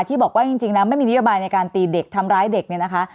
ที่บอกว่าจริงแล้วไม่มีนโยบายในการตีเด็กทำร้ายเด็กเนี่ยนะคะ